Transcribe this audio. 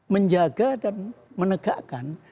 menjaga dan menegakkan